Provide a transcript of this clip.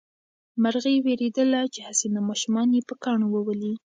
مرغۍ وېرېدله چې هسې نه ماشومان یې په کاڼو وولي.